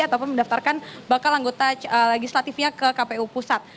ataupun mendaftarkan bakal anggota legislatifnya ke kpu pusat